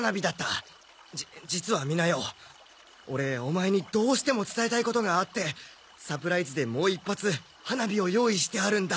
じ実は美奈代オレオマエにどうしても伝えたいことがあってサプライズでもう一発花火を用意してあるんだ。